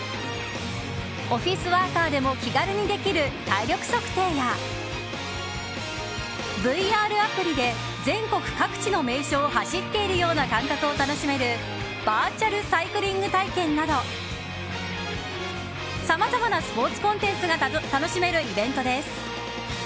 オフィスワーカーでも気軽にできる体力測定やＶＲアプリで全国各地の名所を走っているような感覚を楽しめるバーチャルサイクリング体験などさまざまなスポーツコンテンツが楽しめるイベントです。